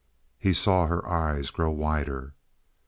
He saw her eyes grow wider.